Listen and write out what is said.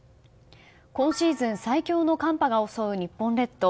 今シーズン最強の寒波が襲う日本列島。